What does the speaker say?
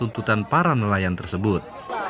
tuntutan para nelayan tersebut